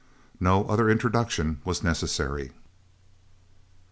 No other introduction was necessary.